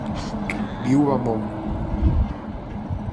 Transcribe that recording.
Viúva Moure.